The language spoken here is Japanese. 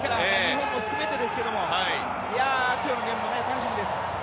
日本も含めてですがなので今日のゲームも楽しみです。